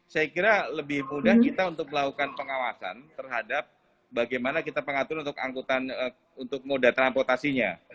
saya kira lebih mudah kita untuk melakukan pengawasan terhadap bagaimana kita pengatur untuk angkutan untuk moda transportasinya